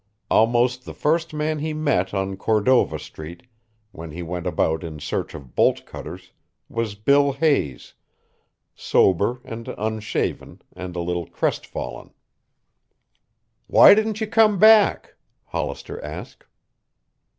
Almost the first man he met on Cordova Street, when he went about in search of bolt cutters, was Bill Hayes, sober and unshaven and a little crestfallen. "Why didn't you come back?" Hollister asked.